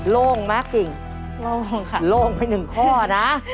โล่งมากกิ่งโล่งค่ะโล่งไปหนึ่งข้อนะ